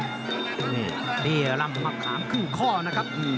นี่ที่ร่ำมะขามครึ่งข้อนะครับ